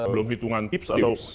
belum hitungan tips atau